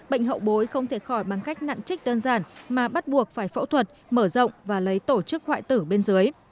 bệnh hậu bối không thể khỏi bằng cách nặng trích đơn giản mà bắt buộc phải phẫu thuật mở rộng và lấy tổ chức hoại tử bên dưới